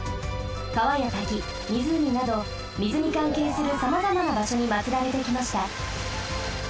かわやたきみずうみなど水にかんけいするさまざまなばしょにまつられてきました。